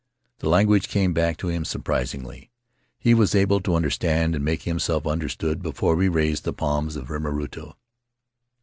The language came back to him surprisingly; he was able to understand and make himself understood before we raised the palms of Rimarutu.